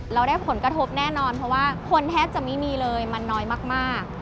แล้วได้ผลกระทบแน่นอนเพราะว่าคนแทบจะไม่มีเลยมันน้อยมาก